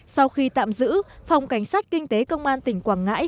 sau khi tạm giữ phòng cảnh sát kinh tế công an tỉnh quảng ngãi